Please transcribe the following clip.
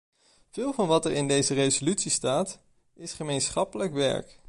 Veel van wat er in deze resolutie staat, is gemeenschappelijk werk.